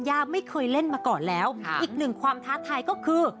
ไม่เคยเล่นมาก่อนแล้วอีกหนึ่งความท้าทายก็คือ